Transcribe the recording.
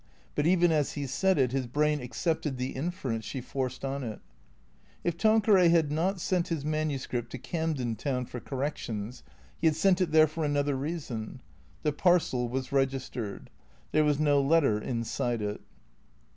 But even as he said it his brain accepted the inference she forced on it. If Tanqueray had not sent his manuscript to Camden Town for corrections, he had sent it there for another reason. The parcel was registered. There was no letter inside it.